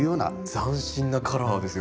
斬新なカラーですよね。